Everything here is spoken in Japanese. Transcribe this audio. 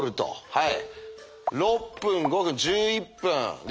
はい。